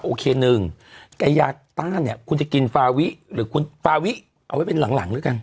โอเคนึงใกล้ยาต้านคุณจะกินฟาวิหรือฟาวิเอาไว้เป็นหลังด้วยกัน